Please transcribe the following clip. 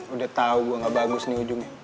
udah tahu gue gak bagus nih ujungnya